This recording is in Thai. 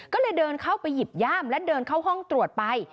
ก็เลยเดินเข้าไปหยิบย่ามและเดินเข้าห้องตรวจไป